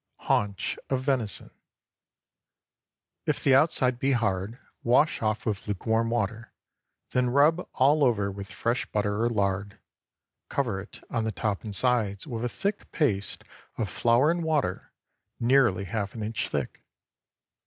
HAUNCH OF VENISON. ✠ If the outside be hard, wash off with lukewarm water; then rub all over with fresh butter or lard. Cover it on the top and sides with a thick paste of flour and water, nearly half an inch thick.